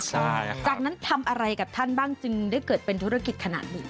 ใช่ครับจากนั้นทำอะไรกับท่านบ้างจึงได้เกิดเป็นธุรกิจขนาดนี้